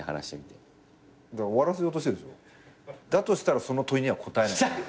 としたらその問いには答えない。